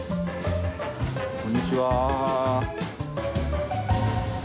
こんにちは。